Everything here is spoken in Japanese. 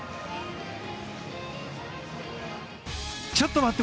ちょっと待って！